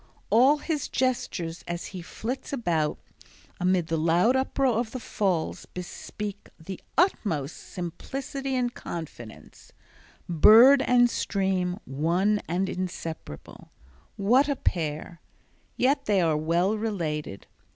All his gestures as he flits about amid the loud uproar of the falls bespeak the utmost simplicity and confidence—bird and stream one and inseparable. What a pair! yet they are well related.